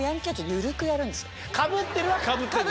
かぶってるはかぶってんだ一応。